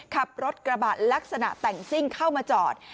ขับรถกระบะลักษณะแต่งซิ่งเข้ามาจอด